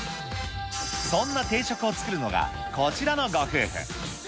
そんな定食をつくるのがこちらのご夫婦。